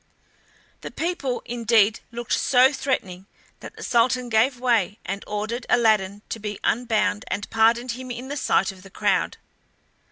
The people, indeed, looked so threatening that the Sultan gave way and ordered Aladdin to be unbound, and pardoned him in the sight of the crowd.